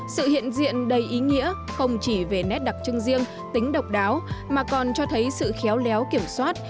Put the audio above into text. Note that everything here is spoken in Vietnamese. sự hiện diện đầy ý nghĩa không chỉ về nét đặc trưng riêng tính độc đáo mà còn cho thấy sự khéo léo kiểm soát